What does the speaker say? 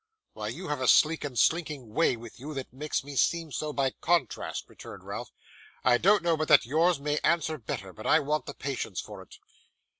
'Why, you have a sleek and slinking way with you that makes me seem so by contrast,' returned Ralph. 'I don't know but that yours may answer better, but I want the patience for it.